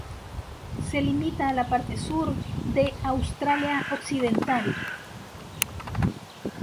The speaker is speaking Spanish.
Se limita a la parte sur de Australia Occidental.